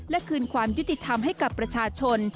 และคืนความยุติธรรมให้กับประชาชน